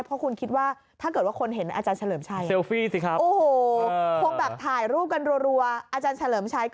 เพราะคุณคิดว่าถ้าเกิดว่าคนเห็นอาจารย์เฉลิมชัย